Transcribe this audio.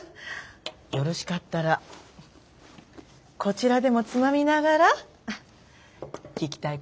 よろしかったらこちらでもつまみながら聞きたいことは何でも。